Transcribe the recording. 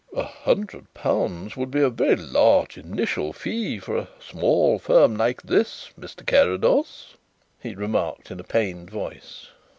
"A hundred pounds would be a very large initial fee for a small firm like this, Mr. Carrados," he remarked in a pained voice.